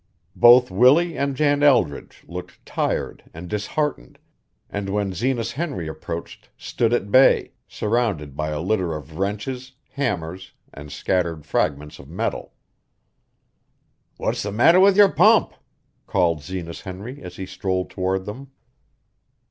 Both Willie and Jan Eldredge looked tired and disheartened, and when Zenas Henry approached stood at bay, surrounded by a litter of wrenches, hammers, and scattered fragments of metal. "What's the matter with your pump?" called Zenas Henry as he strolled toward them.